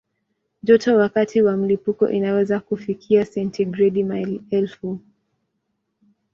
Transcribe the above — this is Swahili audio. Joto wakati wa mlipuko inaweza kufikia sentigredi maelfu.